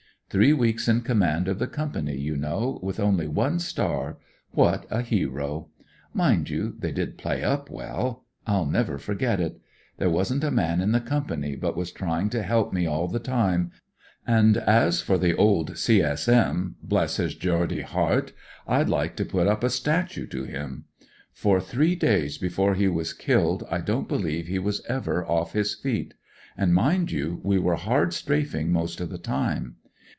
Three weeks in command of the Company, you know, with only one star— what a hero I Mmd you, they did play up well. I'll never forget it. There wasn't a man m the Company but was trying to help me all the time, and as for the old C.S.M.— bless his Geordie heart !— I'd like to put up a statue to him. For three days before he was killed I don't beUeve he was ever off his feet. And, mind you, we were hard strafing most of the tune.